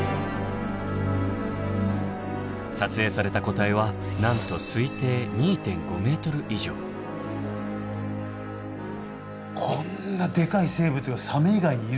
撮影された個体はなんと推定こんなでかい生物がサメ以外にいるんですね。